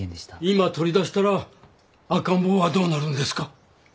今取り出したら赤ん坊はどうなるんですか？